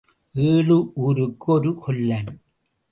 ஏழு ஊருக்கு ஒரு கொல்லன்.